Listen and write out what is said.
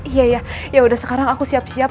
iya ya yaudah sekarang aku siap siap